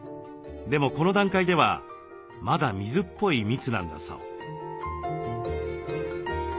でもこの段階ではまだ水っぽい蜜なんだそう。